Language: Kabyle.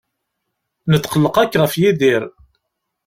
Netqelleq akk ɣef Yidir.